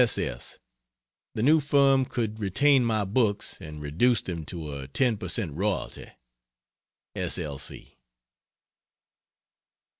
P. S. S. The new firm could retain my books and reduce them to a 10 percent royalty. S. L.